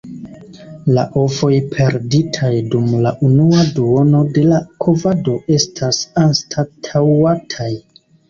La ovoj perditaj dum la unua duono de la kovado estas anstataŭataj.